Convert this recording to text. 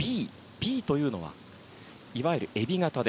Ｂというのはいわゆる、えび型。